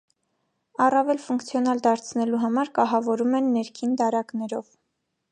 Առավել ֆունկցիոնալ դարձնելու համար կահավորում են ներքին դարակներով։